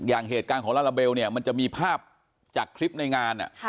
อย่างเหตุการณ์ของลาลาเบลเนี่ยมันจะมีภาพจากคลิปในงาน